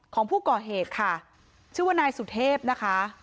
ของผู้ก่อเหตุค่ะชื่อว่านายสุเทพนะคะ